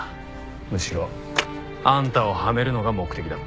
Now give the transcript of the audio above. むしろあんたをはめるのが目的だった。